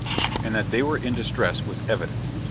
And that they were in distress was evident.